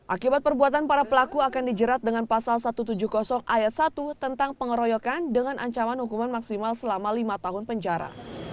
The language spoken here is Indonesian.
akibat perbuatan para pelaku akan dijerat dengan pasal satu ratus tujuh puluh ayat satu tentang pengeroyokan dengan ancaman hukuman maksimal selama lima tahun penjara